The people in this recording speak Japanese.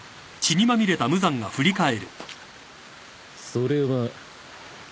それは。